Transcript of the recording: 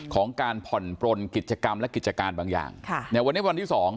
ของการผ่อนปลนกิจกรรมและกิจการบางอย่างค่ะในวันนี้วันที่สอง